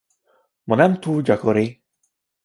Ma nem túl gyakori.